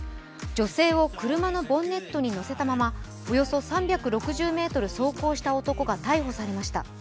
女性を車のボンネットに乗せたまま、およそ３６０ｍ走行した男が逮捕されました。